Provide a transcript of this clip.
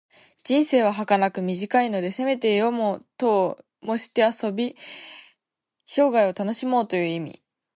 人生ははかなく短いので、せめて夜も灯をともして遊び、生涯を楽しもうという意味。